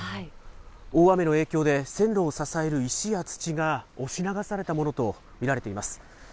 大雨の影響で線路を支える石や土が押し流されたものと見られています。